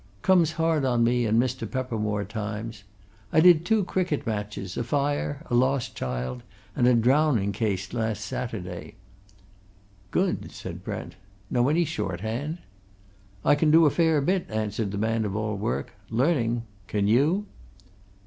Comes hard on me and Mr. Peppermore, times. I did two cricket matches, a fire, a lost child, and a drowning case last Saturday." "Good!" said Brent. "Know any shorthand?" "I can do a fair bit," answered the man of all work. "Learning. Can you?"